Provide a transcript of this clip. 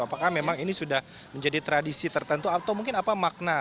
apakah memang ini sudah menjadi tradisi tertentu atau mungkin apa makna